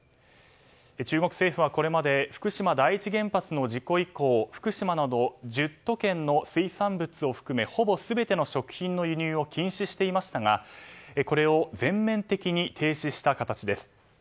中国政府はこれまで福島第一原発の事故以降福島など１０都県の水産物を含めほぼ全ての食品の輸入を禁止していましたがこれを全面的に停止した形です。